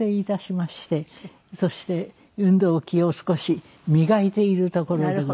そして運動器を少し磨いているところでございます。